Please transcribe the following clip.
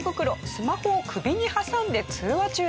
スマホを首に挟んで通話中です。